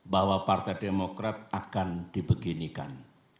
bahwa partai demokrat akan dibeginikan